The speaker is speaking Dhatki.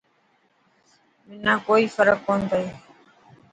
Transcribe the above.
منا ڪوئي فرڪ ڪون پيي.